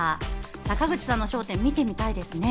坂口さんの『笑点』見てみたいですね。